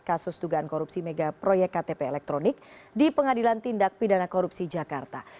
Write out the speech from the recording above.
kasus dugaan korupsi mega proyek ktp elektronik di pengadilan tindak pidana korupsi jakarta